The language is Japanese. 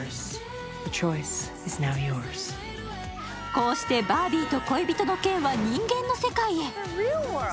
こうして、バービーと恋人のケンは人間の世界へ。